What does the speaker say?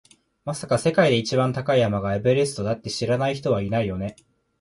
まさか、世界で一番高い山がエベレストだって知らない人はいないよね？